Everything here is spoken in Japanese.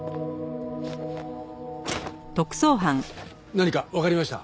何かわかりました？